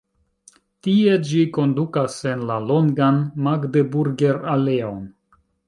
Tie ĝi kondukas en la longan "Magdeburger-aleon".